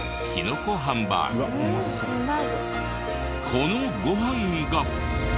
このご飯が！